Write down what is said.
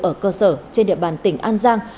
ở cơ sở trên địa bàn tỉnh an giang